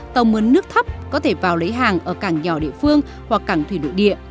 tàu mấn nước thấp có thể vào lấy hàng ở cảng nhỏ địa phương hoặc cảng thủy nội địa